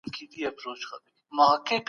زده کوونکي اوس د علم په ترلاسه کولو بوخت دي.